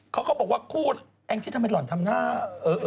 เขาก็บอกว่าคู่แอ้งที่ทำให้หล่อนทำหน้าเออเออ